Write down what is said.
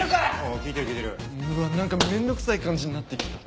うわ何か面倒くさい感じになってきた。